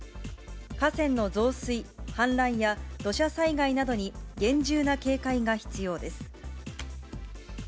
河川の増水、氾濫や土砂災害などに厳重な警戒が必要です。